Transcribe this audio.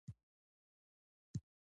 هغه عادي خلکو ته روحیه ورکوله.